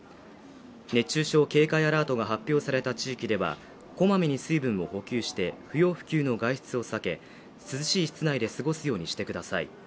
熱中症警戒アラートが発表された地域ではこまめに水分を補給して不要不急の外出を避け涼しい室内で過ごすようにしてください